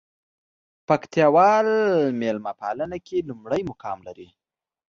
پکتياوال ميلمه پالنه کې لومړى مقام لري.